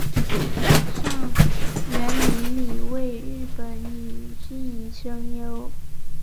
上原明里为日本女性声优。